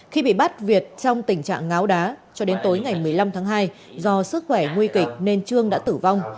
khi bị bắt việt trong tình trạng ngáo đá cho đến tối ngày một mươi năm tháng hai do sức khỏe nguy kịch nên trương đã tử vong